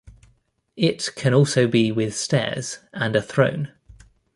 It can also be with stairs and a throne.